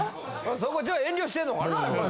そこじゃあ遠慮してんのかな